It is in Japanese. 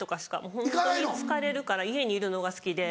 ホントに疲れるから家にいるのが好きで。